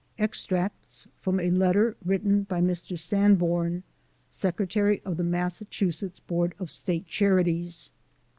Extracts from a letter written by Mr. Sanborn, Secretary of the Massachusetts Board of State Charities.